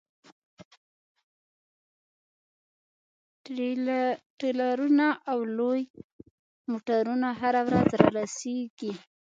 ټریلرونه او لوی موټرونه هره ورځ رارسیږي